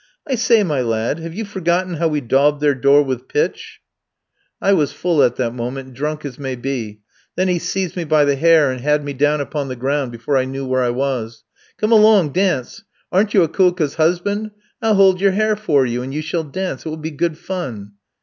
I say, my lad, have you forgotten how we daubed their door with pitch?' I was full at that moment, drunk as may be; then he seized me by the hair and had me down upon the ground before I knew where I was. 'Come along dance; aren't you Akoulka's husband? I'll hold your hair for you, and you shall dance; it will be good fun.'